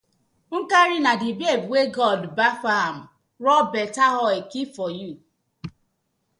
Nkari na di babe wey God baf am rob betta oil keep for yu.